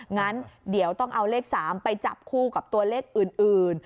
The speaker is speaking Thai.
งั้นเดี๋ยวต้องเอาเลข๓ไปจับคู่กับตัวเลขอื่น